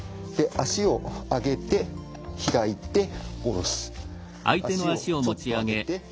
足をちょっと上げて開いて下ろす。